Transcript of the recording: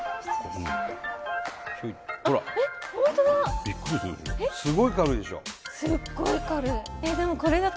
すごい軽いでしょ。